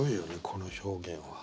この表現は。